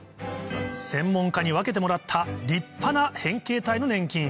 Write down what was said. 専門家に分けてもらった立派な変形体の粘菌